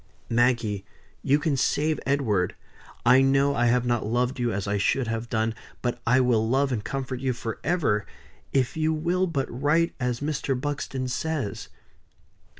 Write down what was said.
"Maggie, you can save Edward. I know I have not loved you as I should have done; but I will love and comfort you forever, if you will but write as Mr. Buxton says.